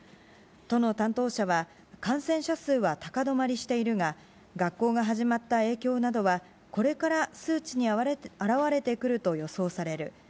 都の担当者は、感染者数は高止まりしているが、学校が始まった影響などは、これから数値にあらわれてくると予想される。